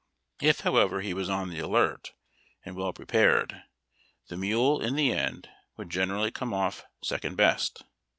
If, however, he was on the alert, and well pre pared, the mule, in the end, would generally come off second best.